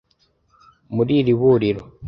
Mu iriburiro